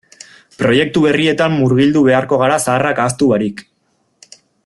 Proiektu berrietan murgildu beharko gara zaharrak ahaztu barik.